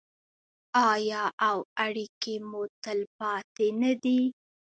آیا او اړیکې مو تلپاتې نه دي؟